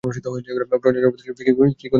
প্রশ্নের জবাব দিতে কি কোনো অসুবিধা আছে?